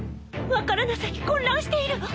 分からなさに混乱しているわ！